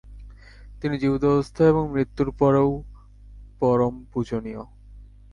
তিনি জীবিত অবস্থায় এবং মৃত্যুর পরও পরম পূজনীয়।